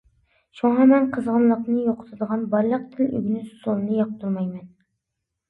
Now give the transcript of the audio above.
شۇڭا مەن قىزغىنلىقنى يوقىتىدىغان بارلىق تىل ئۆگىنىش ئۇسۇلىنى ياقتۇرمايمەن.